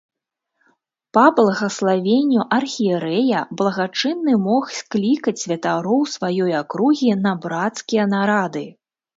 Па благаславенню архірэя благачынны мог склікаць святароў сваёй акругі на брацкія нарады.